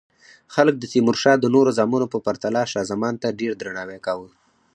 خلکو د تیمورشاه د نورو زامنو په پرتله شاه زمان ته ډیر درناوی کاوه.